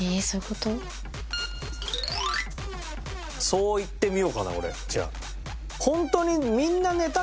そういってみようかな俺じゃあ。